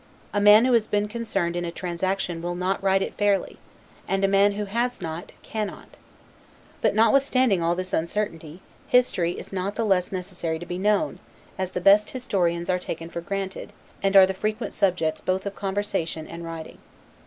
A man who has been concerned in a transaction will not write it fairly; and a man who has not, cannot. But notwithstanding all this uncertainty, history is not the less necessary to be known, as the best histories are taken for granted, and are the frequent subjects both of conversation and writing.